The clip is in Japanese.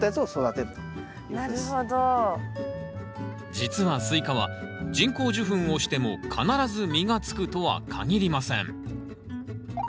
実はスイカは人工授粉をしても必ず実がつくとは限りません。